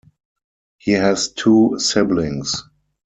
He has two siblings.